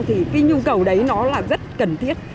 thì cái nhu cầu đấy nó là rất cần thiết